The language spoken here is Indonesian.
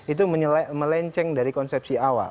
itu melenceng dari konsepsi awal